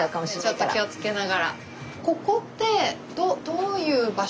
ちょっと気をつけながら。